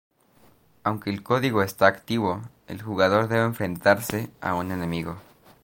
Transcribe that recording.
Aunque el código está activo, el jugador debe enfrentarse a un enemigo.